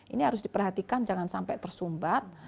ini harus diperhatikan jangan sampai tersumbat